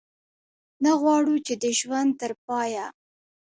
نه غواړو چې د ژوند تر پایه.